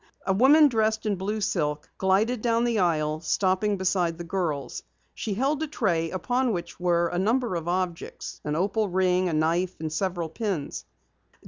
A woman dressed in blue silk glided down the aisle, stopping beside the girls. She held a tray upon which were a number of objects, an opal ring, a knife, and several pins.